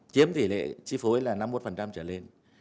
chiếm tỷ lệ chi phối là năm mươi một trở lên